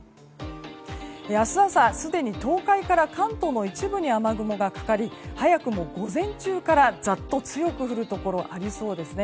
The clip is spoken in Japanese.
明日朝すでに東海から関東の一部に雨雲がかかり早くも午前中からざっと強く降るところがありそうですね。